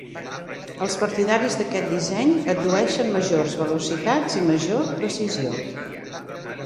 Els partidaris d'aquest disseny addueixen majors velocitats i major precisió.